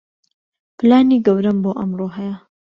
پلانی گەورەم بۆ ئەمڕۆ هەیە.